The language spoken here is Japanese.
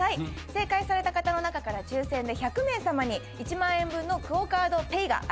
正解された方の中から抽選で１００名さまに１万円分のＱＵＯカードＰａｙが当たります。